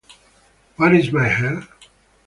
Where Is My Hair?